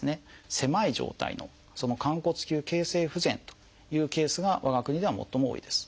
狭い状態の寛骨臼形成不全というケースが我が国では最も多いです。